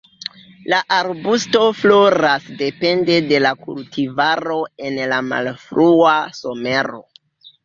La arbusto floras depende de la kultivaro en la malfrua somero.